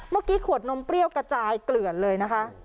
เมื่อกี้ขวดนมเปรี้ยวกระจายเกลื่อนเลยนะคะ